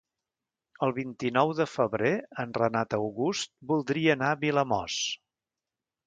El vint-i-nou de febrer en Renat August voldria anar a Vilamòs.